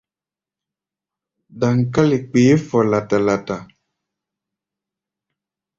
Daŋkále kpeé fɔ lata-lata.